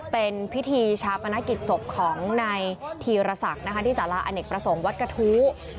เป็นพิธีชาปนกิจศพของนายธีรศักดิ์ที่สาระอเนกประสงค์วัดกระทู้